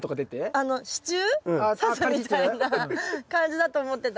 あの支柱さすみたいな感じだと思ってたんで。